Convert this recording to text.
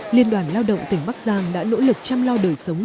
liên đoàn lao động tỉnh bắc giang đã nỗ lực chăm lo đời sống